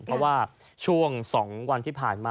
เพราะว่าช่วง๒วันที่ผ่านมา